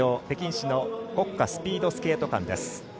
北京市の国家スピードスケート館です。